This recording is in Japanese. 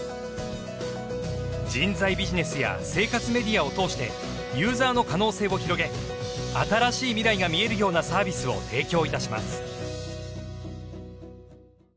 人材ビジネスや生活メディアを通してユーザーの可能性を広げ新しい未来が見えるようなサービスを提供いたします。